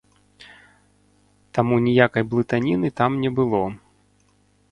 Таму ніякай блытаніны там не было.